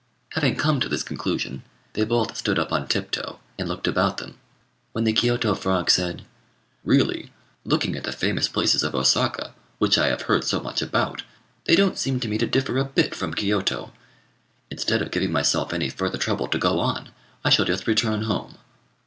Having come to this conclusion, they both stood up on tiptoe, and looked about them; when the Kiôto frog said "Really, looking at the famous places of Osaka, which I have heard so much about, they don't seem to me to differ a bit from Kiôto. Instead of giving myself any further trouble to go on, I shall just return home."